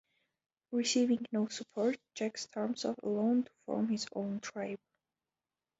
Receiving no support, Jack storms off alone to form his own tribe.